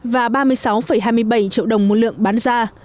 và ba mươi sáu hai mươi bảy triệu đồng một lượng bán ra